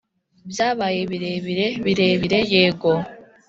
byabaye birebire, birebire, yego!